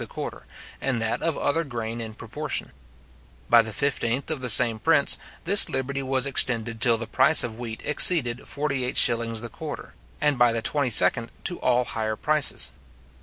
the quarter, and that of other grain in proportion. By the 15th of the same prince, this liberty was extended till the price of wheat exceeded 48s. the quarter; and by the 22d, to all higher prices.